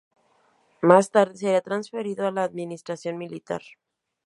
Más tarde sería transferido a la administración militar.